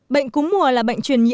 bệnh cúm mùa là bệnh truyền nhiễm